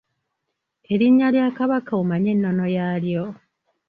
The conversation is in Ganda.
Erinnya lya Kabaka omanyi ennono yaalyo?